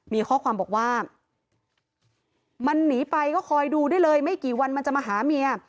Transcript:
มีข้อความบอกว่ามันหนีไปก็คอยดูได้เลยไม่กี่วันมันจะมาหาเมีย